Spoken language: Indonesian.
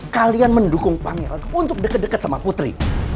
kalian mendukung pangeran untuk deket deket sama putri